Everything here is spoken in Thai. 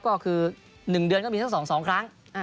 ก็คือ๑เดือนก็มีทั้ง๒๒ครั้ง